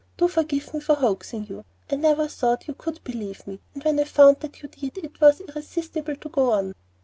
Do forgive me for hoaxing you. I never thought you could believe me, and when I found that you did, it was irresistible to go on."